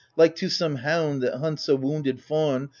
Like to some hound that hunts a wounded fawn.